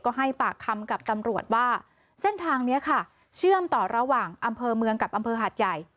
ก็ให้ปากคำกับตำรวจว่าเส้นทางนี้ค่ะเชื่อมต่อระหว่างอำเภอเมืองกับอำเภอหาดใหญ่